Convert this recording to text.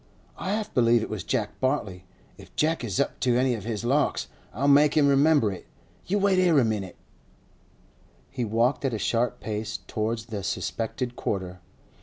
'I half believe it was Jeck Bartley. If Jeck is up to any of his larks, I'll make him remember it. You wait here a minute!' He walked at a sharp pace towards the suspected quarter.